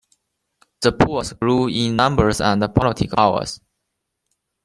The Pools grew in numbers and political power.